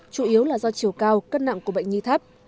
chủ yếu là do chiều cao cân nặng của bệnh nhi thấp